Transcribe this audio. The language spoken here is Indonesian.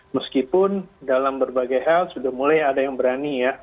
meskipun dalam berbagai hal sudah mulai ada yang berani ya